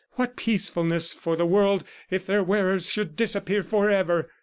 What peacefulness for the world if their wearers should disappear forever!